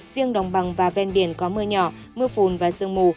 riêng đồng bằng và ven biển có mưa nhỏ mưa phùn và sương mù